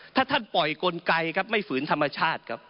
ถ้าท่านปล่อยกลไกไม่ฝืนธรรมชาติ